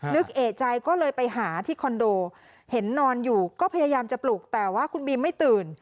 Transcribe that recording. นึกเอกใจก็เลยไปหาที่คอนโดเห็นนอนอยู่ก็พยายามจะปลุกแต่ว่าคุณบีมไม่ตื่น